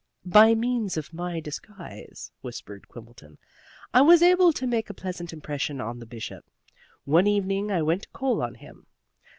"By means of my disguise," whispered Quimbleton, "I was able to make a pleasant impression on the Bishop. One evening I went to call on him.